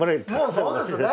そうですね。